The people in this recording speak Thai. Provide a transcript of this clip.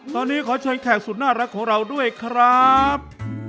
ตอนนี้ขอเชิญแขกสุดน่ารักของเราด้วยครับ